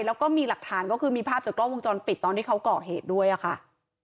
แล้วก็มีหลักฐานก็คือมีภาพจากกล้องวงจรปิดตอนที่เขาก่อเหตุด้วยอะค่ะ